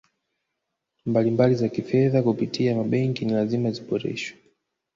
mbalimbali za Kifedha kupitia mabenki ni lazima ziboreshwe